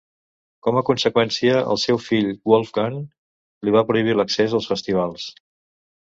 Com a conseqüència, el seu fill Wolfgang li va prohibir l'accés als festivals.